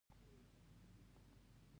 دا زموږ په ورځني ژوند حاکم دی.